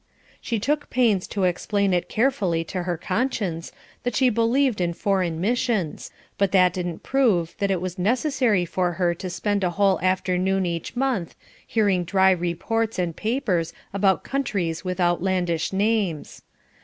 She took pains to explain it carefully to her conscience that she believed in Foreign Missions, but that didn't prove that it was necessary for her to spend a whole afternoon each month hearing dry reports and "papers" about countries with outlandish names.